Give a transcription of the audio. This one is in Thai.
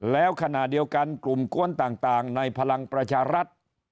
แล้วขณะเดียวกันกลุ่มกวนต่างในพลังประชารัฐ